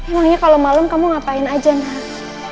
emangnya kalau malam kamu ngapain aja nak